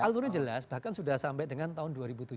kulturnya jelas bahkan sudah sampai dengan tahun dua ribu tujuh belas